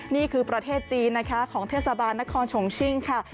นี่คือประเทศจีนนะคะของเทศบาลนครชงชิงค่ะ